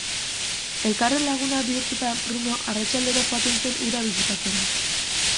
Elkarren lagunak bihurtuta, Bruno arratsaldero joaten zen hura bisitatzera.